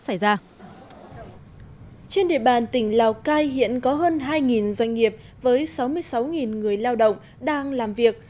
trên địa bàn tỉnh lào cai hiện có hơn hai doanh nghiệp với sáu mươi sáu người lao động đang làm việc